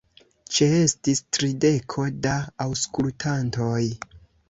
Ĉeestis trideko da aŭskultantoj.